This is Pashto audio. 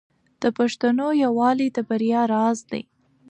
د پښتنو یووالی د بریا راز دی.